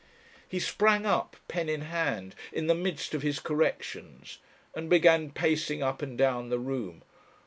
He sprang up, pen in hand, in the midst of his corrections, and began pacing up and down the room.